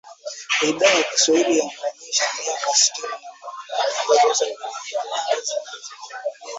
Idhaa ya Kiswahili yaadhimisha miaka sitini ya Matangazo